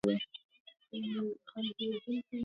درې مياشتې کار مې له دې کس سره کړی، خو پيسې نه راکوي!